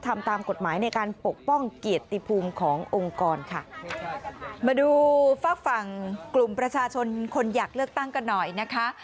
ทำตามกฎหมายในการปกป้องเกียรติภูมิขององค์กรค่ะมาดูฝากฝั่งกลุ่มประชาชนคนอยากเลือกตั้งกันหน่อยนะคะ